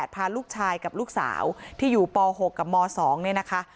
พาลูกชายกับลูกสาวที่อยู่ป๖กับม๒เนี่ยนะคะ